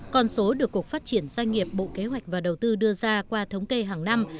con số được cục phát triển doanh nghiệp bộ kế hoạch và đầu tư đưa ra qua thống kê hàng năm